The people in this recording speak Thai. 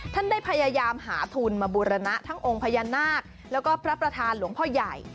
ท่านได้พยายามหาทุนมาบูรณะทั้งองค์พญานาคแล้วก็พระประธานหลวงพ่อใหญ่